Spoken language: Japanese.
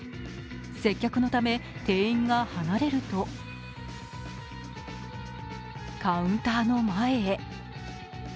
接客のため店員が離れると、カウンターの前へ。